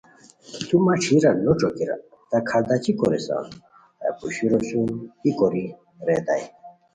تو مہ ݯھیرا نو ݯوکیرا تہ کھارداچی کوریسام ہیہ پوشورو سوم ای کوری ریتائے